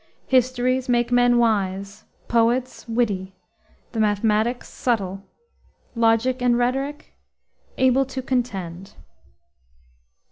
Histories make men wise; poets, witty; the mathematics, subtle; logic and rhetoric, able to contend.